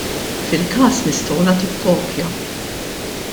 Fil-każ nistgħu nagħtuk kopja.